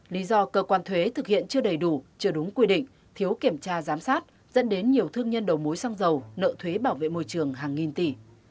lý do cơ quan thuế thực hiện chưa đầy đủ chưa đúng quy định thiếu kiểm tra giám sát dẫn đến nhiều thương nhân đầu mối xăng dầu nợ thuế bảo vệ môi trường hàng nghìn tỷ